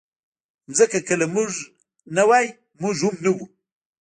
مځکه که له موږ نه وای، موږ هم نه وو.